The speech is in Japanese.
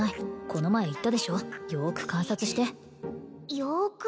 この前言ったでしょよく観察してよく？